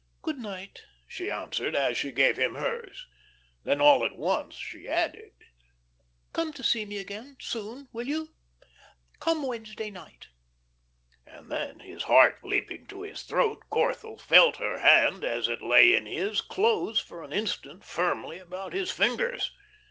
"Good night," she answered, as she gave him hers. Then all at once she added: "Come to see me again soon, will you? Come Wednesday night." And then, his heart leaping to his throat, Corthell felt her hand, as it lay in his, close for an instant firmly about his fingers.